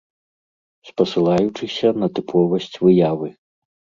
Спасылаючыся на тыповасць выявы.